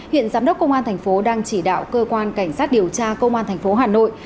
hiện giám đốc công an tp đang chỉ đạo cơ quan cảnh sát điều tra công an tp hà nội